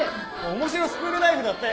「面白スクールライブ」だって。